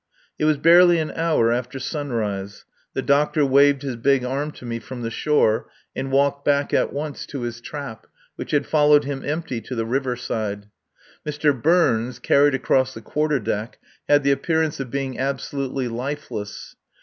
It was barely an hour after sunrise. The doctor waved his big arm to me from the shore and walked back at once to his trap, which had followed him empty to the river side. Mr. Burns, carried across the quarter deck, had the appearance of being absolutely lifeless.